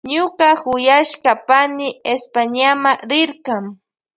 Ñuka kuyashka pani Españama rirka.